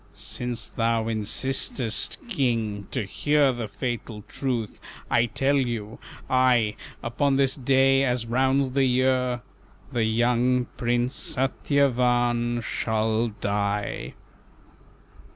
"Since thou insistest, King, to hear The fatal truth, I tell you, I, Upon this day as rounds the year The young Prince Satyavan shall die."